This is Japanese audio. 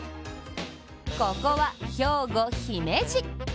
ここは兵庫・姫路。